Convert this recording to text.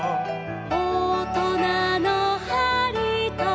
「おとなのはりと」